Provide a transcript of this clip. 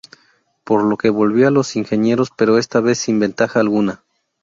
Por lo que volvió a los ingenieros pero esta vez sin ventaja alguna.